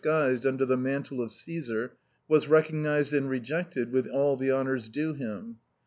guised under the mantle of Caesar, was recognized and re jected with all the honors due him.